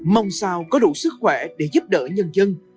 mong sao có đủ sức khỏe để giúp đỡ nhân dân